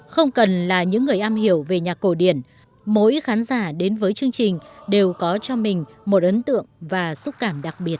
không cần là những người am hiểu về nhạc cổ điển mỗi khán giả đến với chương trình đều có cho mình một ấn tượng và xúc cảm đặc biệt